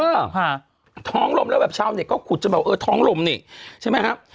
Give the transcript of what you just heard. อ่าค่ะท้องลมแล้วแบบชาวเน็ตก็ขุดจนแบบเออท้องลมนี่ใช่ไหมครับ